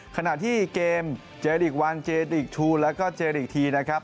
ขณะที่เกมเจริก๑เจริก๒แล้วก็เจริก๓นะครับ